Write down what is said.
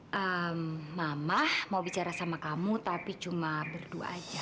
mama mau bicara sama kamu tapi cuma berdua aja